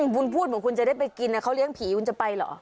บุญพูดผมคุณจะได้ไปกินนะเขาเลี้ยงผีคุณจะไปหรอ